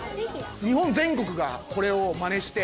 日本全国がこれをまねして。